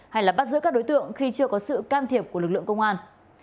hay là bắt giữ các đối tượng khi chưa có sự can thiệp của lực lượng công an